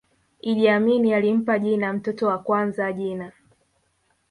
iddi amini alimpa jina mtoto wa kwanza jina